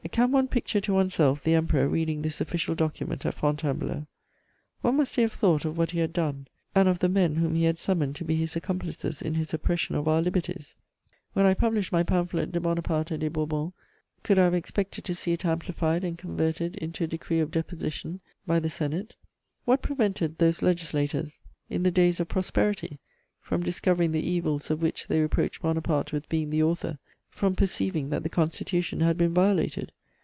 Can one picture to one's self the Emperor reading this official document at Fontainebleau? What must he have thought of what he had done, and of the men whom he had summoned to be his accomplices in his oppression of our liberties? When I published my pamphlet De Bonaparte et des Bourbons, could I have expected to see it amplified and converted into a decree of deposition by the Senate? What prevented those legislators, in the days of prosperity, from discovering the evils of which they reproached Bonaparte with being the author, from perceiving that the Constitution had been violated?